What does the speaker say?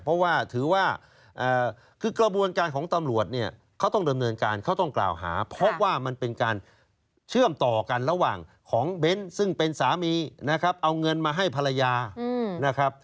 เพราะว่าถือว่าคือกระบวนการของตำรวจเนี่ยเขาต้องดำเนินการเขาต้องกล่าวหาเพราะว่ามันเป็นการเชื่อมต่อกันระหว่างของเบ้นซึ่งเป็นสามีนะครับเอาเงินมาให้ภรรยานะครับ